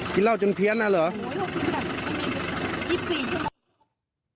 กินเหล้าจนเพี้ยนอ่ะเหรอ